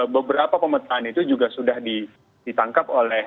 beberapa pemetaan itu juga sudah ditangkap oleh